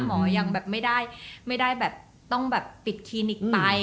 หมอยังไม่ได้ต้องปิดคลีนิกไป